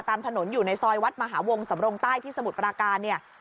ตามถนนอยู่ในซอยวัดมหาวงสำรงใต้ที่สมุทรปราการเนี่ย